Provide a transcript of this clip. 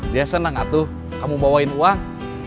dia senang atau kamu bawain uang